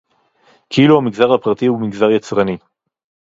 כאילו המגזר הפרטי הוא מגזר יצרני